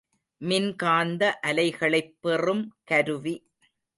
மின்காந்த அலைகளைப் பெறும் கருவி.